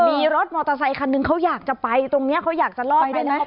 มีรถมอเตอร์ไซคันหนึ่งเขาอยากจะไปตรงนี้เขาอยากจะรอดได้ไหม